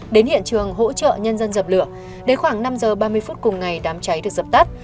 đến hiện trường hỗ trợ nhân dân dập lửa đến khoảng năm giờ ba mươi phút cùng ngày đám cháy được dập tắt